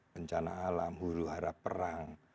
bencana alam huru harap perang